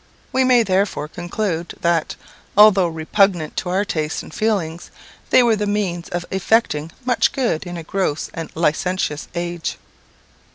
We may therefore conclude, that, although repugnant to our taste and feelings, they were the means of effecting much good in a gross and licentious age.